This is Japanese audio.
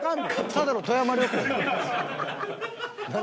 ［ただの富山旅行やん］